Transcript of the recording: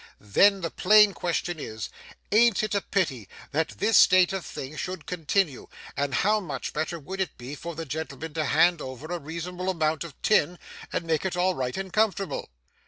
Then the plain question is, an't it a pity that this state of things should continue, and how much better would it be for the gentleman to hand over a reasonable amount of tin, and make it all right and comfortable?